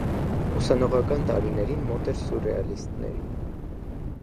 Ուսանողական տարիներին մոտ էր սյուրռեալիստներին։